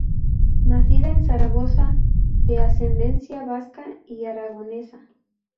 Nacida en Zaragoza de ascendencia vasca y aragonesa.